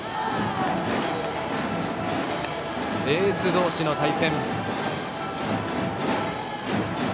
エース同士の対戦。